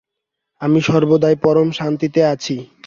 আমি সর্বদাই পরম শান্তিতে আছি।